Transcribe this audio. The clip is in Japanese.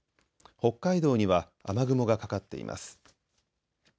北海道には雨雲がかかっています。